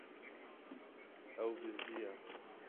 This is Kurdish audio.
Ew bizdiya.